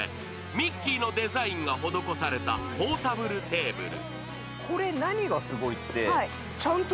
ミッキーのデザインが施されたポータブルテーブル。